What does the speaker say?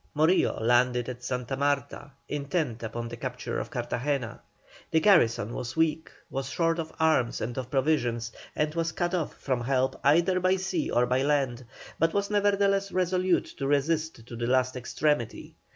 Morillo landed at Santa Marta, intent upon the capture of Cartagena. The garrison was weak, was short of arms and of provisions, and was cut off from help either by sea or by land, but was nevertheless resolute to resist to the last extremity.